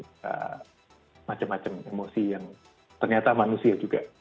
ada macam macam emosi yang ternyata manusia juga